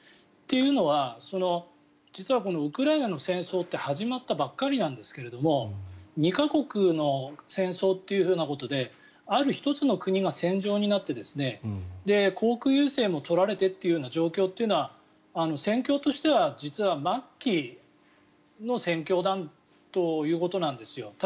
というのは実はウクライナの戦争って始まったばっかりなんですが２か国の戦争ということである１つの国が戦場になって航空優勢も取られてという状況というのは戦況としては実は末期の戦況だということなんですよ。